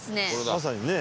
まさにね。